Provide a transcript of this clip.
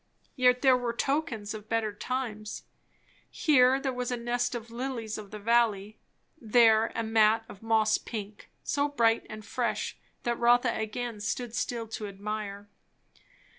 Yet there were tokens of better times. Here there was a nest of lilies of the valley; there a mat of moss pink, so bright and fresh that Rotha again stood still to admire.